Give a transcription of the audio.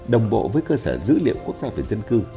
đồng bộ với cơ sở dữ liệu quốc gia về dân cư